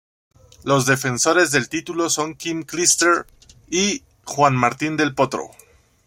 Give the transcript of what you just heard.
Los defensores del título son Kim Clijsters y Juan Martín del Potro.